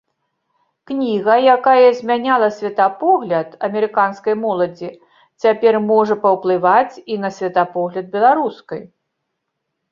Кніга, якая змяняла светапогляд амерыканскай моладзі, цяпер можа паўплываць і на светапогляд беларускай.